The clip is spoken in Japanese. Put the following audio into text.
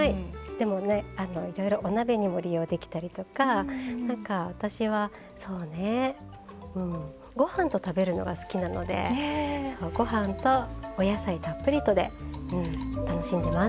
でもねいろいろお鍋にも利用できたりとかなんか私はそうねご飯と食べるのが好きなのでご飯とお野菜たっぷりとで楽しんでます。